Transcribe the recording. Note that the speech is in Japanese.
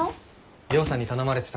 亮さんに頼まれてたから。